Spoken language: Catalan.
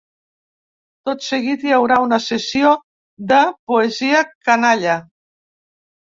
Tot seguit hi haurà una sessió de ‘poesia canalla’.